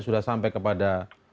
sudah sampai kepada